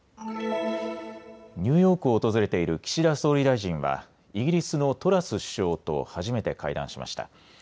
ニューヨークを訪れている岸田総理大臣はイギリスのトラス首相と初めて会談しました。